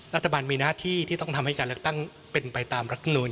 รัฐบาลมีหน้าที่ที่ต้องทำให้การเลือกตั้งเป็นไปตามรัฐมนูล